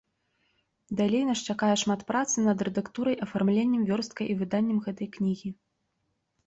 Далей нас чакае шмат працы над рэдактурай, афармленнем, вёрсткай і выданнем гэтай кнігі.